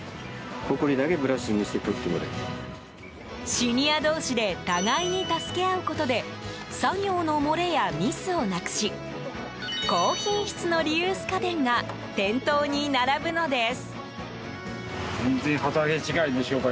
シニア同士で互いに助け合うことで作業の漏れやミスをなくし高品質のリユース家電が店頭に並ぶのです。